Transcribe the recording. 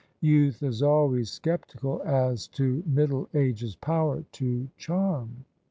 Youth is always sceptical as to middle age's power to charm.